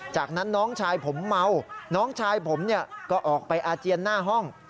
จากนั้นน้องชายผมเมาน้องชายผมก็ออกไปอาเจียนหน้าห้อง